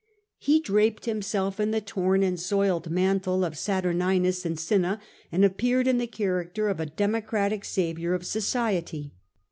He draped himself in the torn and soiled mantle of Saturninus and Oinna, and appeared in the character of a Democratic saviour of society.